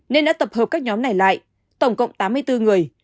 nên đã tập hợp các nhóm này lại tổng cộng tám mươi bốn người